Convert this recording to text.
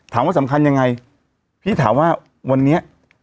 สำคัญยังไงพี่ถามว่าวันนี้